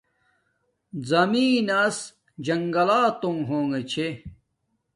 زمین نس جنگلاتونگ ہونگے چھے